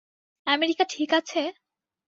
America ঠিক আছে?